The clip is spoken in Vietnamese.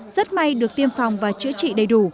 rất may được tiêm phòng và chữa trị đầy đủ